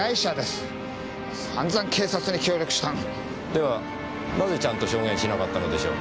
ではなぜちゃんと証言しなかったのでしょう？